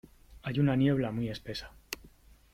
Hay una niebla muy espesa.